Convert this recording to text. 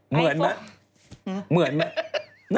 เหมือนไหมน่าจะเหมือนน่ะเนอะ